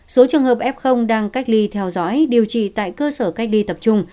số trường hợp f đang cách ly theo dõi điều trị tại cơ sở cách ly tập trung